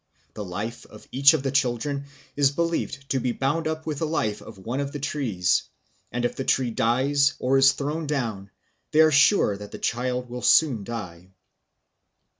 The life of each of the children is believed to be bound up with the life of one of the trees; and if the tree dies or is thrown down, they are sure that the child will soon die.